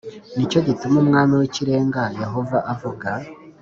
Ni cyo gituma Umwami w Ikirenga Yehova avuga